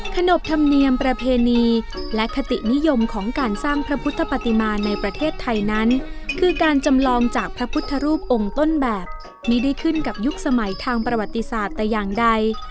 ขนบธรรมเนียมประเพณีและคตินิยมของการสร้างพระพุทธปฏิมาในประเทศไทยนั้นคือการจำลองจากพระพุทธรูปองค์ต้นแบบไม่ได้ขึ้นกับยุคสมัยทางประวัติศาสตร์แต่อย่างใด